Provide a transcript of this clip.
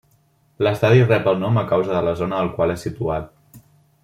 L'estadi rep el nom a causa de la zona al qual és situat.